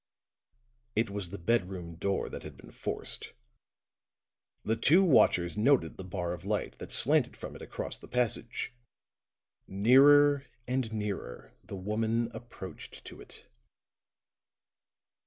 It was the bedroom door that had been forced; the two watchers noted the bar of light that slanted from it across the passage. Nearer and nearer the woman approached to it.